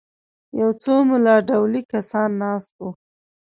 یو څو ملا ډولي کسان ناست وو.